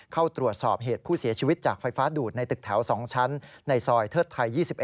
เข้าตรวจสอบเหตุผู้เสียชีวิตจากไฟฟ้าดูดในตึกแถว๒ชั้นในซอยเทิดไทย๒๑